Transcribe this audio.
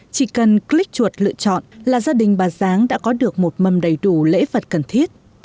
chỉ cần click chuột lựa chọn là gia đình bà giáng đã có được một mầm đầy đủ lễ vật cần thiết